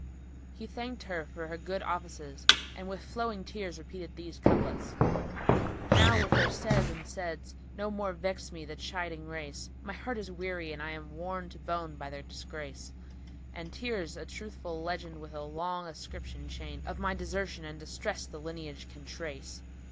He thanked her for her good offices and with flowing tears repeated these couplets, "Now with their says and saids[FN#295] no more vex me the chiding race; * My heart is weary and I'm worn to bone by their disgrace: And tears a truthful legend[FN#296] with a long ascription chain * Of my desertion and distress the lineage can trace.